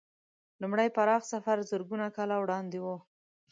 لومړی پراخ سفر زرګونه کاله وړاندې و.